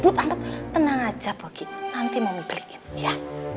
tenang aja nanti ya